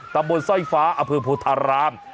ตำบลสตฟอพธารราม